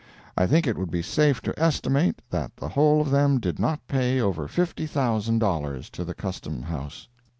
I think it would be safe to estimate that the whole of them did not pay over $50,000 to the Custom house."